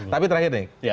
tapi terakhir nih